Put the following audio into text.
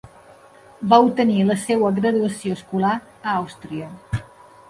Va obtenir la seva graduació escolar a Àustria.